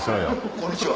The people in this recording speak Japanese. こんにちは。